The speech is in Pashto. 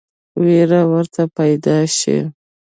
وېره ورته پیدا شي.